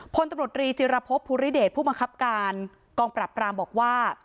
พลตำรวจรีจิรพบภูริเดชผู้มังคับการกองปรับรามบอกว่า